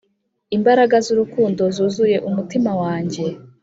imbaraga z'urukundo zuzuye umutima wanjye